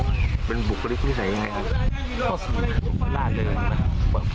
มันก็เป็นบุคลิปอีกไกล